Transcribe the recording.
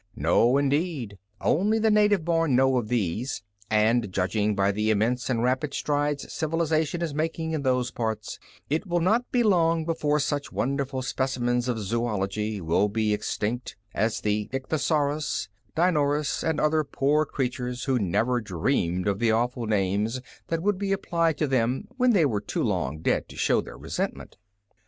No, indeed; only the native born know of these; and, judging by the immense and rapid strides civilization is making in those parts, it will not be long before such wonderful specimens of zoölogy will be as extinct as the ichthyosaurus, dinornis, and other poor creatures who never dreamed of the awful names that would be applied to them when they were too long dead to show their resentment.